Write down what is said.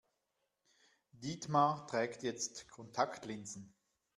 Dietmar trägt jetzt Kontaktlinsen.